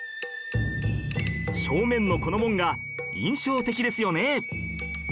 正面のこの門が印象的ですよね